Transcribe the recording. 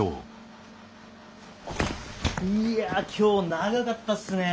いや今日長かったっすねぇ。